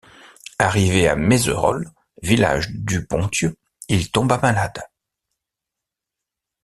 Arrivé à Mézerolles, village du Ponthieu, il tomba malade.